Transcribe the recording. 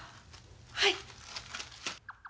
はい。